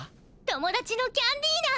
友だちのキャンディーナ！